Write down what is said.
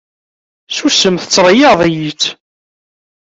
Susem tettreyyiεeḍ-iyi-tt!